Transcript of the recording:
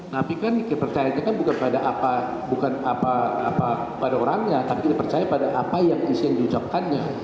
tapi kan percayanya bukan pada orangnya tapi percaya pada apa yang di ucapkannya